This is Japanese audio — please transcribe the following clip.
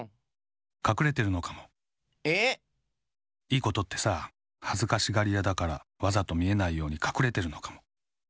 いいことってさはずかしがりやだからわざとみえないようにかくれてるのかも。